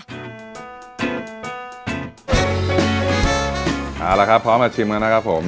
เอาละครับพร้อมมาชิมกันนะครับผม